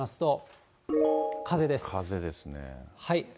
風ですね。